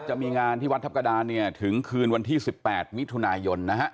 จะมีงานที่วัดทัพกระดานเนี่ยถึงคืนวันที่๑๘มิถุนายนนะฮะ